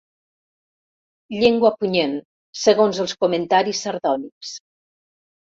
Llengua punyent, segons els comentaris sardònics.